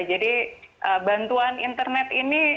jadi bantuan internet ini